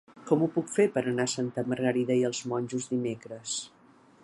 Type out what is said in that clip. Com ho puc fer per anar a Santa Margarida i els Monjos dimecres?